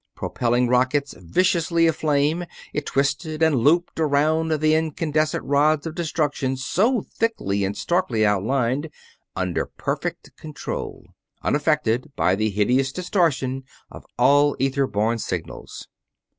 Propelling rockets viciously aflame, it twisted and looped around the incandescent rods of destruction so thickly and starkly outlined, under perfect control; unaffected by the hideous distortion of all ether borne signals.